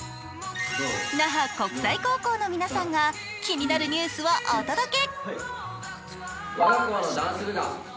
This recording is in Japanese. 那覇国際高校の皆さんが気になるニュースをお届け。